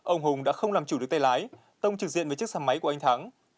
ông hùng đã không làm chủ được tay lái tông trực diện với chiếc xe máy của anh thắng